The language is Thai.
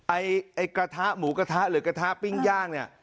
ไอ้กระทะหมูกระทะหรือกระทะปิ้งย่างเนี่ย